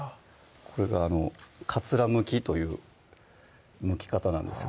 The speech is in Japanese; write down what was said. これがかつらむきというむき方なんですよ